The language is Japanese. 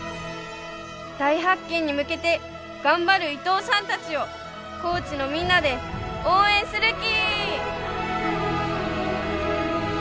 大発見に向けて頑張る伊藤さんたちを高知のみんなで応援するき！